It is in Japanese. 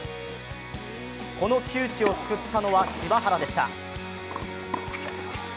この窮地を救ったのは柴原でした。